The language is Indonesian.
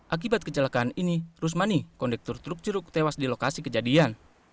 akibat kecelakaan ini rusmani kondektor truk jeruk tewas di lokasi kejadian